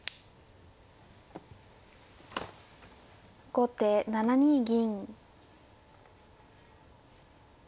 後手７二銀。